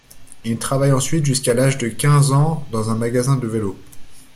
Il travaille ensuite jusqu'à l'âge de quinze ans dans un magasin de vélo.